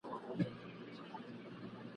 چي پخوا د بوډۍ ټال وو اوس غروب وینم په خوب کي `